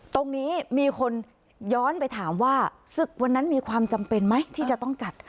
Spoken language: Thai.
มีคนย้อนไปถามว่าศึกวันนั้นมีความจำเป็นไหมที่จะต้องจัด